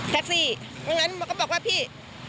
แท็กซี่งั้นก็บอกว่าพี่